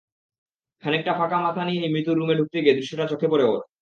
খানিকটা ফাঁকা মাথা নিয়েই মিতুর রুমে ঢুকতে গিয়ে দৃশ্যটা চোখে পরে ওর।